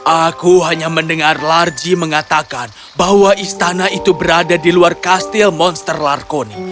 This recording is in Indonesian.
aku hanya mendengar larji mengatakan bahwa istana itu berada di luar kastil monster larkoni